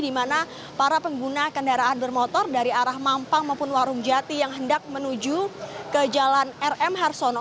di mana para pengguna kendaraan bermotor dari arah mampang maupun warung jati yang hendak menuju ke jalan rm harsono